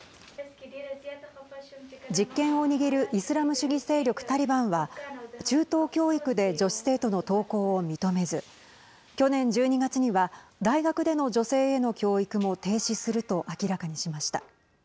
実権を握るイスラム主義勢力タリバンは中等教育で女子生徒の登校を認めず去年１２月には大学での女性への教育も停止すると明らかにしました。